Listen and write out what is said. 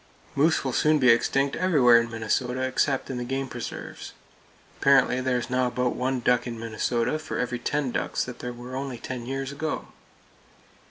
Moose will soon be extinct everywhere in Minnesota except in the game preserves. Apparently there is now about one duck in Minnesota for every ten ducks that were there only ten years ago.